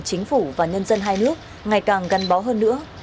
chính phủ và nhân dân hai nước ngày càng gắn bó hơn nữa